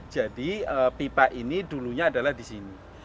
jadi pipa ini dulunya adalah di sini